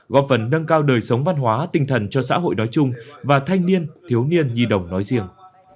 góp phần nâng cao đời sống văn hóa tinh thần cho xã hội nói chung và thanh niên thiếu niên nhi đồng nói riêng